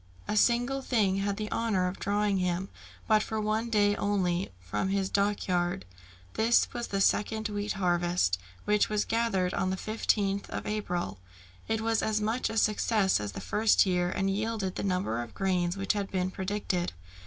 A single thing had the honour of drawing him, but for one day only, from his dockyard. This was the second wheat harvest, which was gathered in on the 15th of April. It was as much a success as the first, and yielded the number of grains which had been predicted.